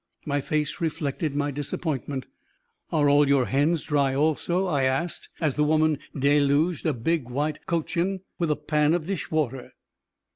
My face reflected my disappointment. "Are all your hens dry also?" I asked, as the woman deluged a big white cochin with a pan of dish water.